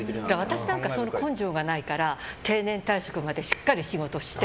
私なんか根性がないから定年退職までしっかり仕事して。